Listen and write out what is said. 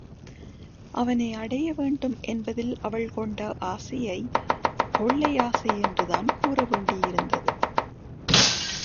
அவனை அடைய வேண்டும் என்பதில் அவள் கொண்ட ஆசையைக் கொள்ளை ஆசை என்றுதான் கூறவேண்டி இருந்தது.